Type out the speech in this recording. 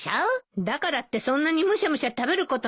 だからってそんなにむしゃむしゃ食べることないでしょ。